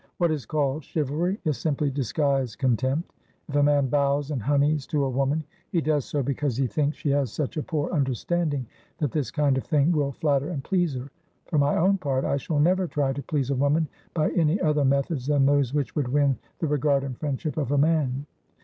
What is called chivalry is simply disguised contempt. If a man bows and honeys to a woman, he does so because he thinks she has such a poor understanding that this kind of thing will flatter and please her. For my own part, I shall never try to please a woman by any other methods than those which would win the regard and friendship of a man."